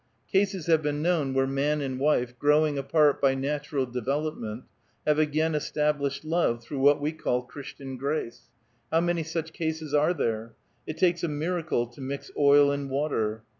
Cases have been known where man and wife, growing apart by natural de velopment, have again established love through what we call Christian grace ; how many such cases are there ? It takes a miracle to mix oil and water.